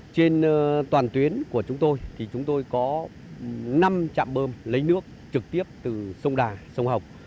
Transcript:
trên toàn tuyến của chúng tôi thì chúng tôi có năm trạm bơm lấy nước trực tiếp từ sông đà sông hồng